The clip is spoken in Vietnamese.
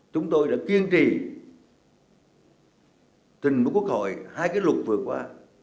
chúng tôi đã kiên trì trên một quốc hội hai cái luật vừa qua